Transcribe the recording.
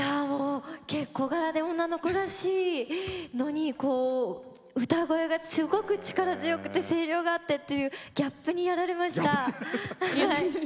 小柄で女の子らしいのに歌声がすごく力強くて声量があってっていうギャップにやられました。